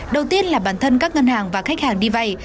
đầu tiên là bản thân các ngân hàng và khách hàng đi vay